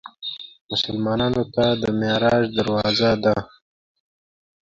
مسلمانانو ته د معراج دروازه ده.